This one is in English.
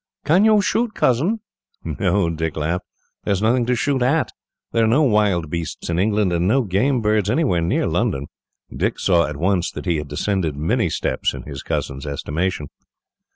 "Can you shoot, cousin?" "No," Dick laughed. "There is nothing to shoot at. There are no wild beasts in England, and no game birds anywhere near London." Dick saw, at once, that he had descended many steps in his cousins' estimation.